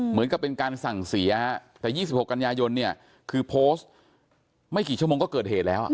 เหมือนกับเป็นการสั่งเสียแต่๒๖กันยายนเนี่ยคือโพสต์ไม่กี่ชั่วโมงก็เกิดเหตุแล้ว